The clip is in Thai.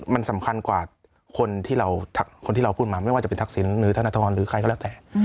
มันสำคัญกว่าคนที่เราพูดมาไม่ว่าจะเป็นทักษิณหรือธนทรหรือใครก็แล้วแต่